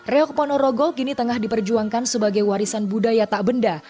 reok ponorogo kini tengah diperjuangkan sebagai warisan budaya tak benda